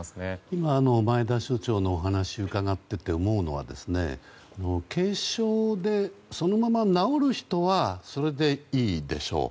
今、前田所長のお話を伺っていて思うのは軽症で、そのまま治る人はそれでいいでしょう。